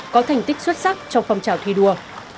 có thành tích xuất sắc trong phong trào thi đua